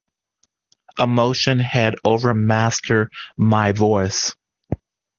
Emotion had overmastered my voice.